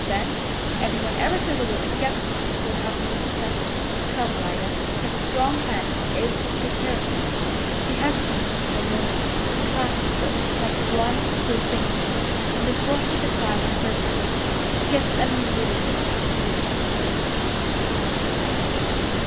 Then, if anyone ever says a word against you, he'll have me to settle with. Come, Alida! Here's a strong hand that's able to take care of you." She hesitated a moment, then clasped it like one who is sinking, and before he divined her purpose, she kissed and bedewed it with tears.